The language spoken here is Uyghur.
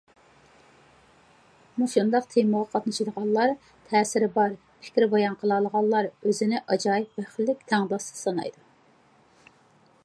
مۇشۇنداق تېمىغا قاتنىشالىغانلار، تەسىرى بار پىكىر بايان قىلالىغانلار ئۆزىنى ئاجايىپ بەختلىك، تەڭداشسىز سانايدۇ.